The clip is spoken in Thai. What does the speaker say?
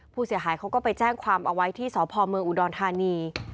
ผู้เสียหายเขาก็ไปแจ้งความเอาไว้ที่สพเมืองอุดรธานี